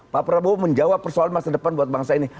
pak prabowo menjawab persoalan masa depan buat bangsa ini